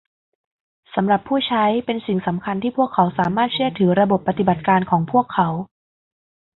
สำหรับผู้ใช้เป็นสิ่งสำคัญที่พวกเขาสามารถเชื่อถือระบบปฏิบัติการของพวกเขา